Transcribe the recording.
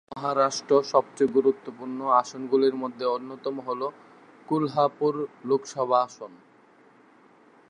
মহারাষ্ট্র সবচেয়ে গুরুত্বপূর্ণ আসনগুলির মধ্যে অন্যতম হল কোলহাপুর লোকসভা আসন।